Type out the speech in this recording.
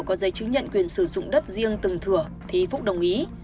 có giấy chứng nhận quyền sử dụng đất riêng từng thừa thì phúc đồng ý